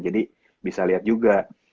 jadi bisa liat juga